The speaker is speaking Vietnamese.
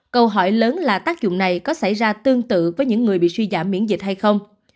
câu hỏi lớn là tác dụng này có xảy ra tương tự với những người bị suy giảm miễn dịch hay không